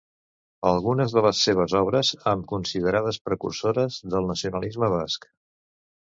Algunes de les seves obres amb considerades precursores del nacionalisme basc.